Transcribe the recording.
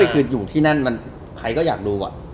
คืออยู่ที่นั่นมันใครก็อยากดู